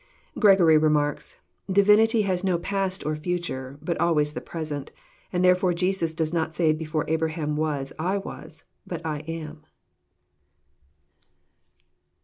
Gregory remarks :" Divinity has no past or fhture, but always the present ; and therefore Jesus does not say before Abraham was I voaa, but I am.